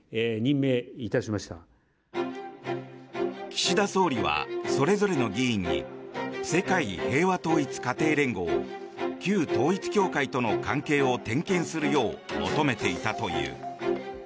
岸田総理はそれぞれの議員に世界平和統一家庭連合旧統一教会との関係を点検するよう求めていたという。